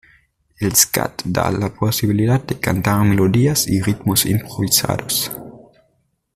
El "scat" da la posibilidad de cantar melodías y ritmos improvisados.